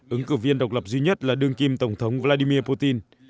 ứng cử viên độc lập duy nhất là đương kim tổng thống vladimir putin